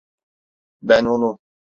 Ben onu…